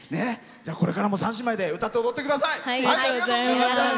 これからも３姉妹で歌って踊ってください。